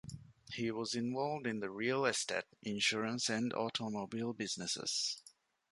He was involved in the real estate, insurance and automobile businesses.